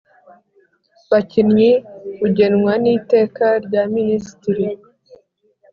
Bakinnyi bugenwa n iteka rya minisitiri